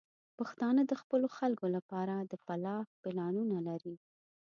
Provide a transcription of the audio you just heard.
پښتانه د خپلو خلکو لپاره د فلاح پلانونه لري.